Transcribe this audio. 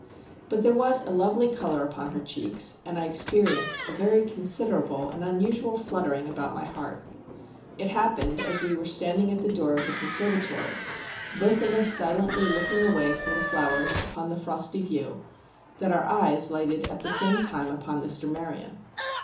But there was a lovely color upon her cheeks, and I experienced a very considerable and unusual fluttering about my heart. It happened as we were standing at the door of the conservatory, both of us silently looking away from the flowers upon the frosty view, that our eyes lighted at the same time upon Mr. Maryon.